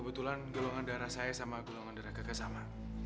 kebetulan golongan darah saya sama golongan darah kakak sama